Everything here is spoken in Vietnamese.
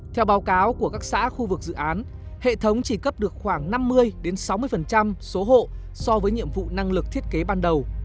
theo báo cáo của các xã khu vực dự án hệ thống chỉ cấp được khoảng năm mươi sáu mươi số hộ so với nhiệm vụ năng lực thiết kế ban đầu